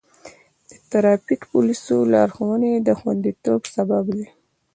د ټرافیک پولیسو لارښوونې د خوندیتوب سبب دی.